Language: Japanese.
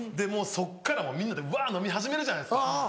そっからもうみんなでうわ飲み始めるじゃないですか。